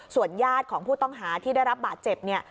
ส่วนญาติของผู้ต้องหาที่ได้รับบาดเจ็บเนี่ย